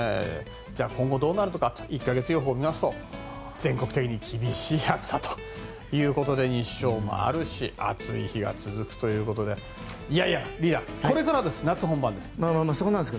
じゃあ今後どうなるのか１か月予報を見ますと全国的に厳しい暑さということで日照もあるし暑い日が続くということでいやいや、リーダーこれからです、夏本番です。